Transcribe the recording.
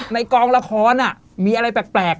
ในกองละครอ่ะมีอะไรแปลก